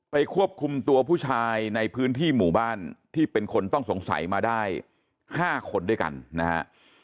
ควบคุมตัวผู้ชายในพื้นที่หมู่บ้านที่เป็นคนต้องสงสัยมาได้๕คนด้วยกันนะฮะ